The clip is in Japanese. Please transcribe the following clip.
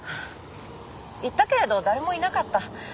行ったけれど誰もいなかった。